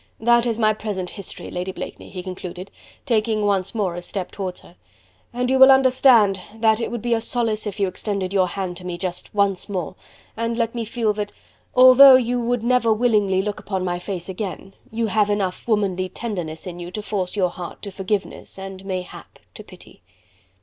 That is my present history, Lady Blakeney," he concluded, taking once more a step towards her, "and you will understand that it would be a solace if you extended your hand to me just once more, and let me feel that although you would never willingly look upon my face again, you have enough womanly tenderness in you to force your heart to forgiveness and mayhap to pity."